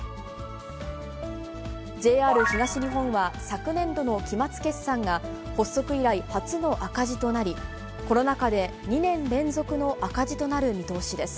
ＪＲ東日本は、昨年度の期末決算が、発足以来初の赤字となり、コロナ禍で２年連続の赤字となる見通しです。